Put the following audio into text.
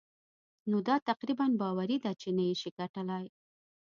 نو دا تقريباً باوري ده چې نه يې شې ګټلای.